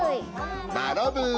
マロブー！